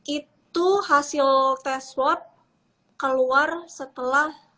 itu hasil tes swab keluar setelah